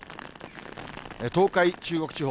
東海、中国地方。